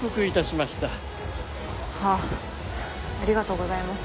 はあありがとうございます。